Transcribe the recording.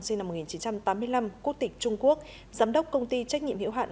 sinh năm một nghìn chín trăm tám mươi năm quốc tịch trung quốc giám đốc công ty trách nhiệm hiệu hạn